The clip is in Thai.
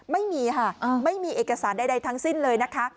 ไม่มีค่ะไม่มีเอกสารใดทั้งสิ้นเลยนะคะ